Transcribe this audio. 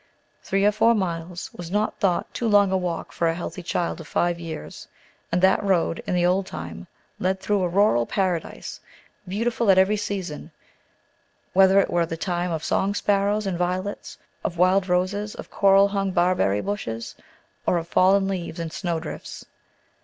Three or four miles was not thought too long a walk for a healthy child of five years; and that road, in the old time, led through a rural Paradise, beautiful at every season, whether it were the time of song sparrows and violets, of wild roses, of coral hung barberry bushes, or of fallen leaves and snow drifts.